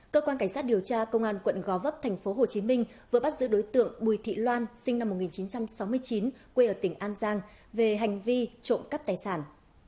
cơ quan cảnh sát điều tra công an quận gò vấp tp hcm vừa bắt giữ đối tượng bùi thị loan sinh năm một nghìn chín trăm sáu mươi chín quê ở tỉnh an giang về hành vi trộm cắp tài sản